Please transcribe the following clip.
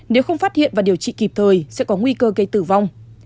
nếu không phát hiện và điều trị kịp thời sẽ có nguy cơ gây tử vong